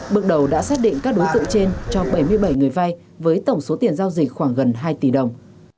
bước đầu đã xác định các đối tượng trên cho bảy mươi bảy người vai với tổng số tiền giao dịch khoảng gần hai tỷ đồng